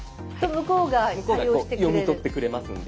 向こうがこう読み取ってくれますので。